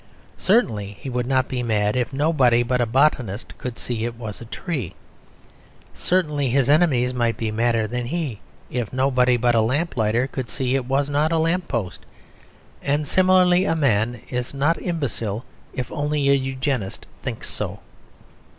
Certainly he would not be mad if nobody but a botanist could see it was a tree. Certainly his enemies might be madder than he, if nobody but a lamplighter could see it was not a lamp post. And similarly a man is not imbecile if only a Eugenist thinks so.